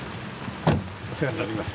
お世話になります。